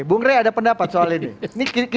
bung rey ada pendapat soal ini